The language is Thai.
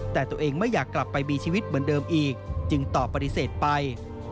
แต่ตัวเองไม่อยากกลับไปมีชีวิตเหมือนเดิมอีกจึงตอบปฏิเสธไป